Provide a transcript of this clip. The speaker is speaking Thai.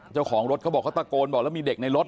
เจ้าของรถเขาบอกพวกเขาตะโกนว่ามีเด็กในรถ